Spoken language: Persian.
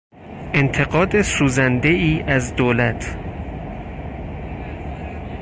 انتقاد سوزندهای از دولت